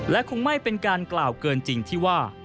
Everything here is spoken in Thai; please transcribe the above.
และคงไม่เป็นการกล่าวเกินจริงที่ว่า